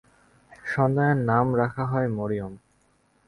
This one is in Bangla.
সন্তানের নাম রাখা হয় মরিয়ম।